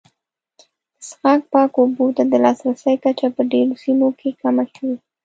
د څښاک پاکو اوبو ته د لاسرسي کچه په ډېرو سیمو کې کمه شوې.